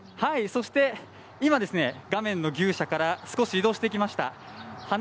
そして今、牛舎から少し移動してきました。